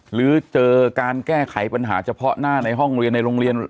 หรือเจอการแก้ไขปัญหาเฉพาะหน้าในห้องเรียนในโรงเรียน